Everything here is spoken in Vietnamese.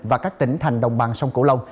và các tỉnh thành đồng bằng sông cổ lông